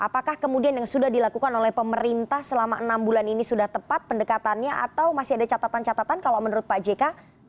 apakah kemudian yang sudah dilakukan oleh pemerintah selama enam bulan ini sudah tepat pendekatannya atau masih ada catatan catatan kalau menurut pak jk